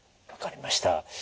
分かりました。